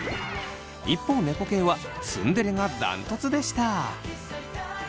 一方猫系はツンデレがダントツでした！